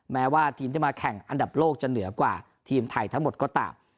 แม้ว่าทีมที่มาแข่งอันดับโลกจะเหนือกว่าทีมไทยทั้งหมดก็ตาม